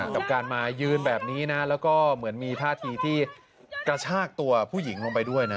กับการมายืนแบบนี้นะแล้วก็เหมือนมีท่าทีที่กระชากตัวผู้หญิงลงไปด้วยนะ